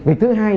việc thứ hai